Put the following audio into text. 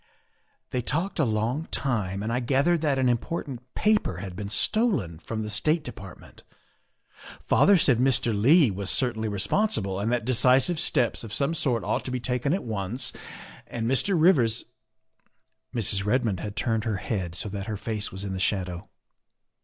' They talked a long time, and I gathered that an important paper had been stolen from the State De partment. Father said Mr. Leigh was certainly respon THE SECRETARY OF STATE 123 sible and that decisive steps of some sort ought to be taken at once, and Mr. Rivers " Mrs. Redmond had turned her head so that her face was in the shadow.